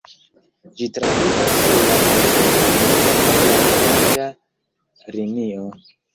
Ĝi trafikas sur la arĝenta linio kaj la oranĝa linio.